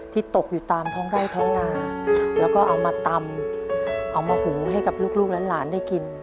ตกอยู่ตามท้องไร่ท้องนาแล้วก็เอามาตำเอามาหูให้กับลูกและหลานได้กิน